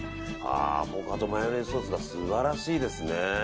アボカドマヨネーズソースが素晴らしいですね。